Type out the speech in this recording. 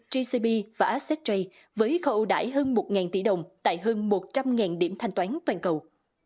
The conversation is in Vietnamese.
jcb và accesstrade với kho ưu đải hơn một tỷ đồng tại hơn một trăm linh điểm thanh toán toàn cầu